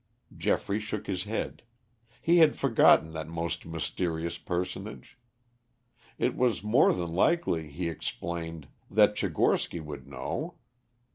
Geoffrey shook his head. He had forgotten that most mysterious personage. It was more than likely, he explained, that Tchigorsky would know.